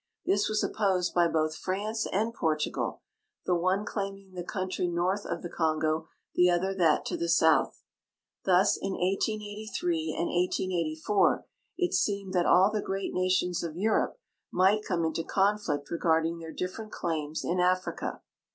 This was opposed b}^ both France and Portugal, the one claiming the countiy north of the Kongo, the other that to the south. Thus in 1883 and 1884 it seemed that all the groat nations of Europe might come into conflict regarding their different claims in Africa.